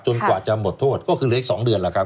กว่าจะหมดโทษก็คือเหลืออีก๒เดือนแล้วครับ